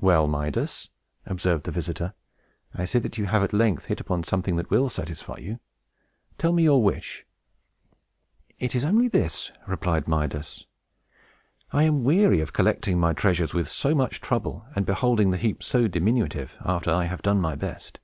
"Well, Midas," observed his visitor, "I see that you have at length hit upon something that will satisfy you. Tell me your wish." "It is only this," replied Midas. "I am weary of collecting my treasures with so much trouble, and beholding the heap so diminutive, after I have done my best.